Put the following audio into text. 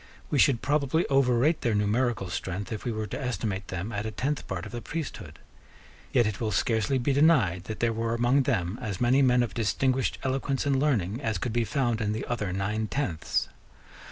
We should probably overrate their numerical strength, if we were to estimate them at a tenth part of the priesthood. Yet it will scarcely be denied that there were among them as many men of distinguished eloquence and learning as could be found in the other nine tenths.